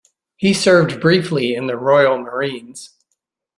He served briefly in the Royal Marines.